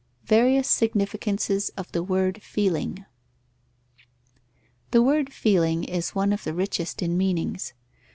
Various significances of the word feeling. The word "feeling" is one of the richest in meanings.